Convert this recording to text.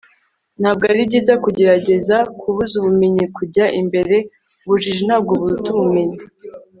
ntabwo ari byiza kugerageza kubuza ubumenyi kujya imbere. ubujiji ntabwo buruta ubumenyi